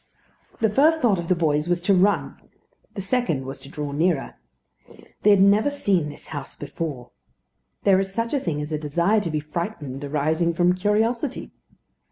The first thought of the boys was to run: the second was to draw nearer. They had never seen this house before. There is such a thing as a desire to be frightened arising from curiosity.